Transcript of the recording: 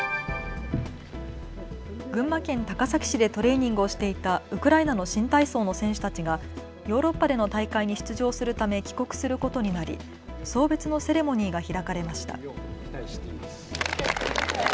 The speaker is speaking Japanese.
群馬県高崎市でトレーニングをしていたウクライナの新体操の選手たちがヨーロッパでの大会に出場するため帰国することになり送別のセレモニーが開かれました。